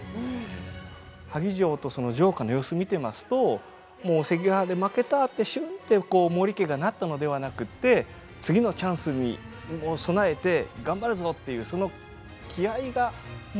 萩城とその城下の様子見てますともう関ヶ原で負けたってシュンってこう毛利家がなったのではなくって次のチャンスにもう備えて頑張るぞっていうその気合いがもうあふれていますから。